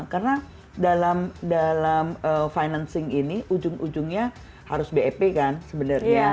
karena dalam dalam financing ini ujung ujungnya harus bep kan sebenarnya